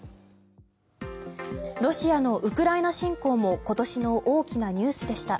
ロシアのウクライナ侵攻も今年の大きなニュースでした。